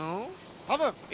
たぶん。ええ？